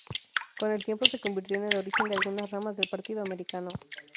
Con el tiempo, se convirtió en el origen de algunas ramas del Partido Americano.